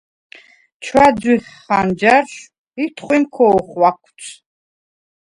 ჩვა̈ძუ̈ჰ ხანჯარშვ ი თხვიმ ქო̄ხვაქვც.